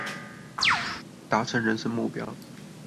達成人生目標